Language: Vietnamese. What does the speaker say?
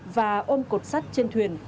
và ôm cột sắt trên thuyền